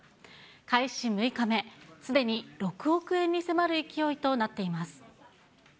開始６日目、すでに６億円に迫る勢いとなっています。